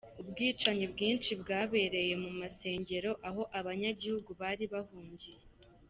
Ubwicanyi bwinshi bwabereye mu masengero aho abanyagihugu bari bahungiye.